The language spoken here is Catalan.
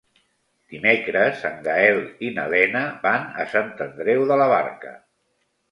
Dimecres en Gaël i na Lena van a Sant Andreu de la Barca.